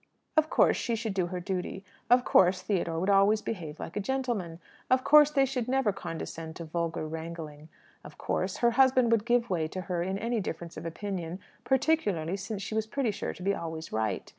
Of course, she should do her duty. Of course, Theodore would always behave like a gentleman. Of course, they should never condescend to vulgar wrangling. Of course, her husband would give way to her in any difference of opinion; particularly since she was pretty sure to be always right.